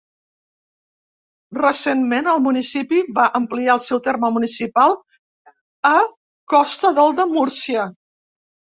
Recentment el municipi va ampliar el seu terme municipal a costa del de Múrcia.